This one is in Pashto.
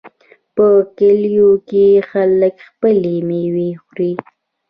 په کلیو کې خلک خپلې میوې خوري.